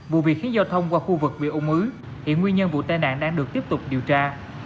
vụ việc khiến giao thông qua khu vực bị ung ứ hiện nguyên nhân vụ tai nạn đang được tiếp tục điều tra